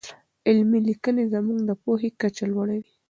علمي لیکنې زموږ د پوهې کچه لوړوي.